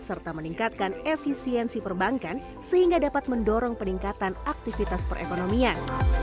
serta meningkatkan efisiensi perbankan sehingga dapat mendorong peningkatan aktivitas perekonomian